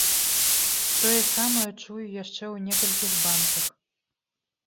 Тое самае чую яшчэ ў некалькіх банках.